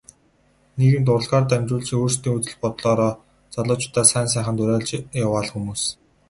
Нийгэмд урлагаар дамжуулж өөрсдийн үзэл бодлоороо залуучуудаа сайн сайханд уриалж яваа л хүмүүс.